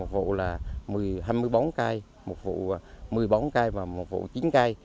một vụ là hai mươi bốn cây một vụ một mươi bóng cây và một vụ chín cây